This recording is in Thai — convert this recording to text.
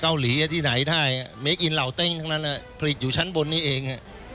เกาหลีอ่ะที่ไหนได้ทั้งนั้นอ่ะผลิตอยู่ชั้นบนนี้เองอ่ะ